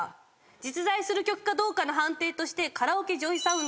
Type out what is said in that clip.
実在する曲かどうかの判定としてカラオケＪＯＹＳＯＵＮＤ